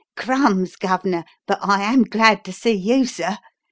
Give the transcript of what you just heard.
"Crumbs, Gov'nor, but I am glad to see you, sir!"